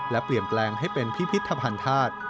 และเปลี่ยนแปลงให้เป็นพิพิธภัณฑ์ธาตุ